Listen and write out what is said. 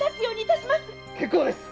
結構です！